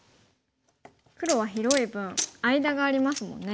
黒は広い分間がありますもんね。